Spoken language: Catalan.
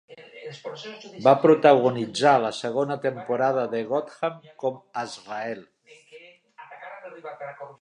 Va protagonitzar la segona temporada de "Gotham" com Azrael.